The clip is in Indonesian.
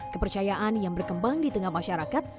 kepercayaan yang berkembang di tengah masyarakat